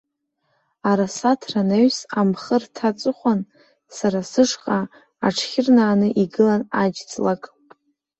Арасаҭра анаҩс, амхырҭа аҵыхәан, сара сышҟа аҽхьырнааны игылан аџьҵлак.